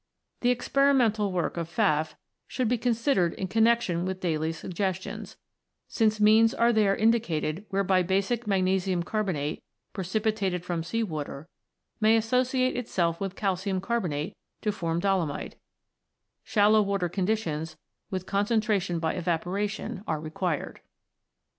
The experimental work of Pfaffde) should be considered in connexion with Daly's suggestions, since means are there indicated whereby basic magnesium carbonate, precipitated from sea water, may associate itself with calcium carbonate to form dolomite; shallow water conditions, with concentra tion by evaporation, are required.